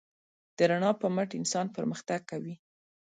د رڼا په مټ انسان پرمختګ کوي.